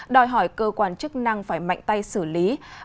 đòi hỏi cơ quan chức năng phải mạnh tay xử lý